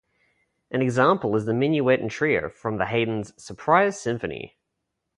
An example is the minuet and trio from the Haydn's "Surprise Symphony".